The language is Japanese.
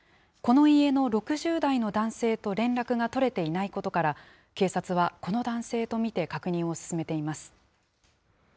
この家の６０代の男性と連絡が取れていないことから、警察はこの男性と見て確認を進めています。